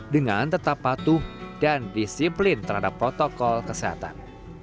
dengan tetap patuh dan disiplin terhadap protokol kesehatan